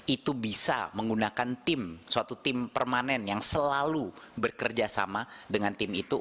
itu bisa menggunakan tim suatu tim permanen yang selalu bekerja sama dengan tim itu